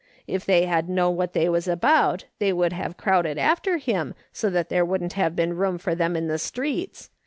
' If they had known what they was about they would have crowded after him so that there wouldn't have been room for them in the streets.